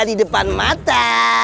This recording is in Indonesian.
ada di depan mata